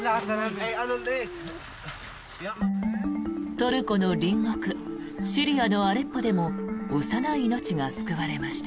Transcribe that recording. トルコの隣国シリアのアレッポでも幼い命が救われました。